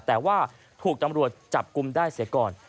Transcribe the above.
แต่ว่าถูกตำรวจจับกลุ่มได้เสียก่อน